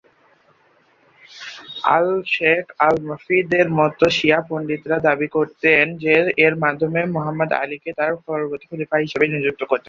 আল-শেখ আল-মুফীদের মতো শিয়া পণ্ডিতেরা দাবি করেন যে, এর মাধ্যমে মুহম্মদ আলীকে তাঁর পরবর্তী খলিফা হিসেবে সরাসরি নিযুক্ত করতেন।